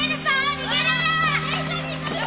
逃げろ！